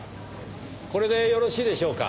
これでよろしいでしょうか？